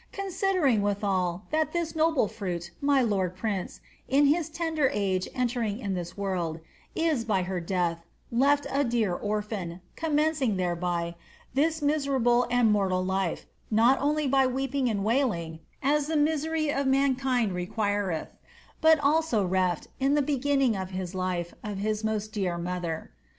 Considering withal, that this noble fruit, ray k>rd prince, in his tender age entering in this world, is, by her death, lef\ a dear orphan, commencing, thereby, this miserable and mortal life, not only by weep ing and wailing, as the misery of mankind requiretli, but also rel\, in the begin ning of bis life, of bis most dear mother.